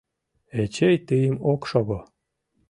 Эчей тыйым ок шого.